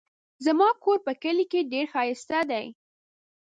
زما کور په کلي کې دی ډېر ښايسته دی